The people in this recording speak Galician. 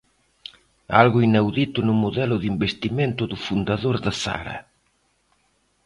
Algo inaudito no modelo de investimento do fundador de Zara.